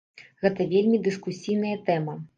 Гэта вельмі дыскусійная тэма.